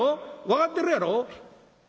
分かってるやろ」。